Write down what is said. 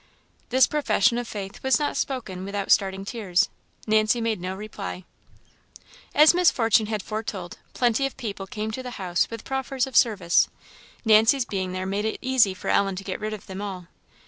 This profession of faith was not spoken without starting tears. Nancy made no reply. As Miss Fortune had foretold, plenty of people came to the house with proffers of service. Nancy's being there made it easy for Ellen to get rid of them all.